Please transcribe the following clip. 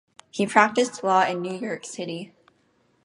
He practiced law in New York City.